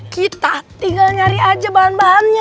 kita tinggal nyari aja bahan bahannya